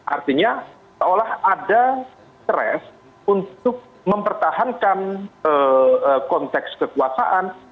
artinya seolah ada stres untuk mempertahankan konteks kekuasaan